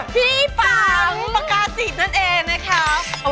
พี่ปังพ้ากาศีทนั่นเองนะคะพี่ปัง